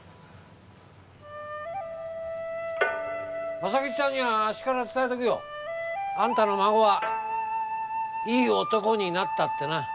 正吉さんにはあっしから伝えとくよ。あんたの孫はいい男になったってな。